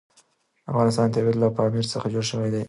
د افغانستان طبیعت له پامیر څخه جوړ شوی دی.